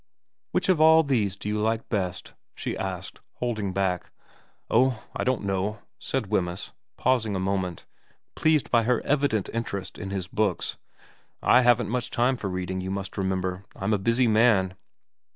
' Which of all these do you like best ?' she asked, holding back. ' Oh, I don't know,' said Wemyss, pausing a moment, pleased by her evident interest in his books. ' I haven't much time for reading, you must remember. I'm a busy man.